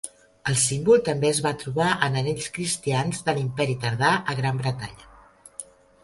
El símbol també es va trobar en anells cristians de l'Imperi tardà a Gran Bretanya.